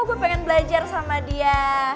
aku pengen belajar sama dia